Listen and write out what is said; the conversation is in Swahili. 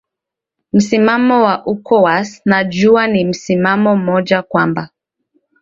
msimamo wa ucowas najua ni misimamo mmoja kwamba